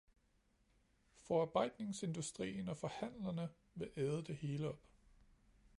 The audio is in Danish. Forarbejdningsindustrien og forhandlerne vil æde det hele op.